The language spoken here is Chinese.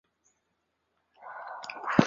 曾祖父张谷成。